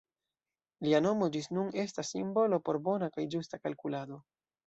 Lia nomo ĝis nun estas simbolo por bona kaj ĝusta kalkulado.